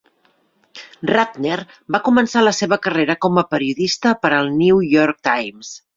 Rattner va començar la seva carrera com a periodista per al The New York Times.